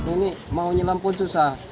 ini mau nyelam pun susah